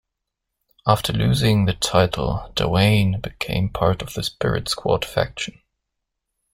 After losing the title, Doane became part of The Spirit Squad faction.